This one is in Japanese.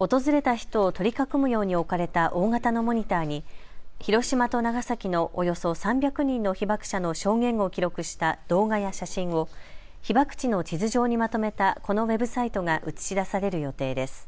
訪れた人を取り囲むように置かれた大型のモニターに広島と長崎のおよそ３００人の被爆者の証言を記録した動画や写真を被爆地の地図上にまとめたこのウェブサイトが映し出される予定です。